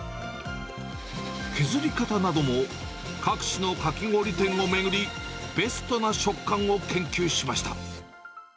削り方なども、各地のかき氷店を巡り、ベストな食感を研究しました。